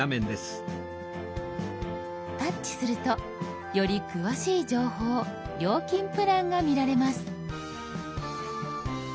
タッチするとより詳しい情報料金プランが見られます。